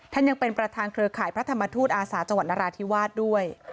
ยังเป็นประธานเครือข่ายพระธรรมทูตอาสาจังหวัดนราธิวาสด้วย